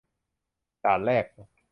ด่านแรก